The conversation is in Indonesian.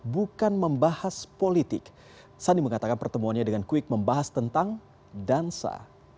bukan membahas politik sandi mengatakan pertemuannya dengan kwik membahas tentang dansa